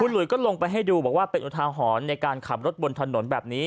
หลุยก็ลงไปให้ดูบอกว่าเป็นอุทาหรณ์ในการขับรถบนถนนแบบนี้